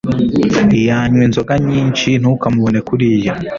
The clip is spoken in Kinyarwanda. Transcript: Yanywa inzoga nyinshi ntukamubone kuriya.